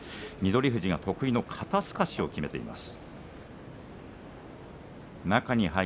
富士が得意の肩すかしをきめています。